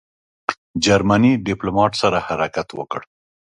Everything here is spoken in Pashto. جرمني ډیپلوماټ سره حرکت وکړ.